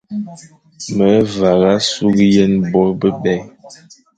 Me vagha sughé yen bô bebè.